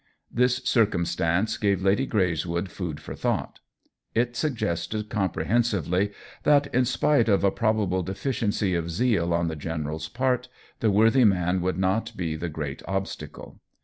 This circumstance gave Lady Greyswood food for thought ; it suggested comprehen sively that, in spite of a probable deficiency of zeal on the General's part, the worthy man would not be the great obstacle.